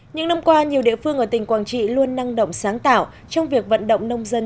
những năm qua nhiều địa phương ở tỉnh quảng trị luôn năng động sáng tạo trong việc vận động nông dân